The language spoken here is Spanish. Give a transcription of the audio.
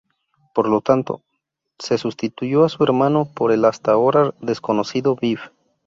Por lo tanto, se sustituyó a su hermano por el hasta ahora desconocido Biff.